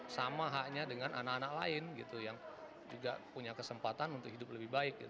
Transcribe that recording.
sama haknya dengan anak anak lain gitu yang juga punya kesempatan untuk hidup lebih baik